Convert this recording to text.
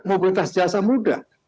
mobilitas jasa mudah